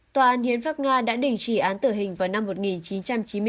tòa án hiến pháp nga đã đình chỉ án tử hình vào năm một nghìn chín trăm chín mươi bốn